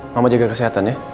mama jaga kesehatan ya